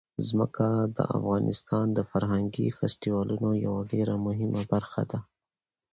ځمکه د افغانستان د فرهنګي فستیوالونو یوه ډېره مهمه برخه ده.